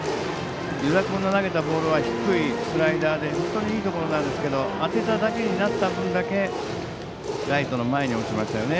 湯田君の投げたボールは低いスライダーでいいところなんですけど当てただけになった分だけライトの前に落ちましたよね。